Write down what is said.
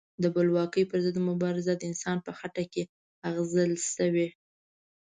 د بلواکۍ پر ضد مبارزه د انسان په خټه کې اغږل شوې.